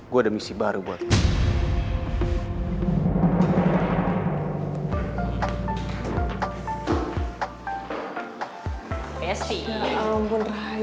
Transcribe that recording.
gue ada misi baru buat lo